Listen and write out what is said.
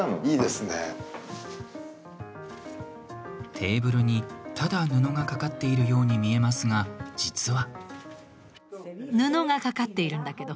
テーブルにただ布がかかっているように見えますが、実は。